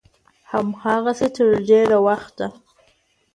همداسې تر ډېره وخته